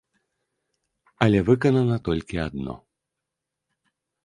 Але выканана толькі адно.